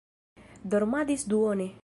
Dormadis duone.